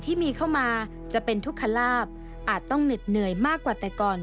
ที่มีเข้ามาจะเป็นทุกขลาบอาจต้องเหน็ดเหนื่อยมากกว่าแต่ก่อน